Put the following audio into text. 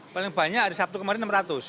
paling banyak hari sabtu kemarin enam ratus